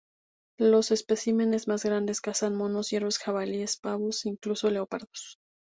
Los especímenes más grandes cazan monos, ciervos, jabalíes, pavos, e incluso leopardos.